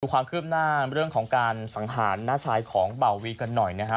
ความคืบหน้าเรื่องของการสังหารน้าชายของเบาวีกันหน่อยนะฮะ